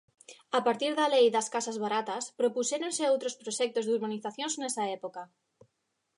A partir da Lei das Casas Baratas propuxéronse outros proxectos de urbanizacións nesa época.